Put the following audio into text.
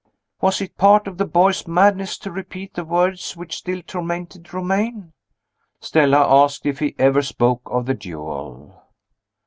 "Was it part of the boy's madness to repeat the words which still tormented Romayne?" Stella asked if he ever spoke of the duel.